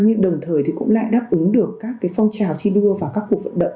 nhưng đồng thời thì cũng lại đáp ứng được các phong trào thi đua vào các cuộc vận động